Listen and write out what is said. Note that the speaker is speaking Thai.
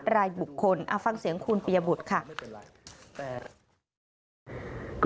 รายบุคคลฟังเสียงคุณปียบุตรค่ะ